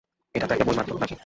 এটা তো একটা বই মাত্র, নাকি!